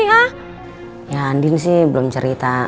ya andin sih belum cerita